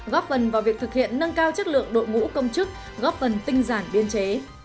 góp phần vào việc thực hiện nâng cao chất lượng đội ngũ công chức góp phần tinh giản biên chế